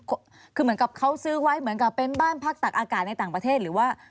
คือเหมือนกับเขาซื้อไว้เหมือนกับเป็นบ้านพักตักอากาศในต่างประเทศหรือว่า